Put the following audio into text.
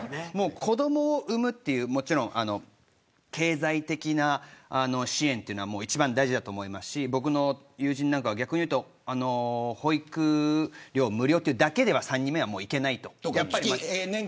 子どもを産むという経済的な支援というのは一番大事だと思うし僕の友人なんかは、逆に言うと保育料が無料というだけでは３人目は、いけないと。